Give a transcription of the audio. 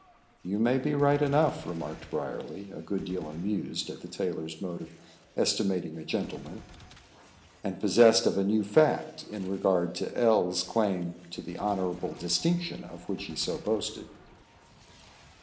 "You may be right enough," remarked Briarly, a good deal amused at the tailor's mode of estimating a gentleman, and possessed of a new fact in regard to L 's claim to the honourable distinction of which he so often boasted.